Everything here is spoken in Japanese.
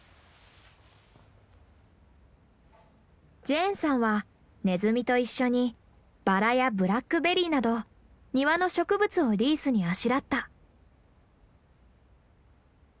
ジェーンさんはネズミと一緒にバラやブラックベリーなど庭の植物をリースにあしらった。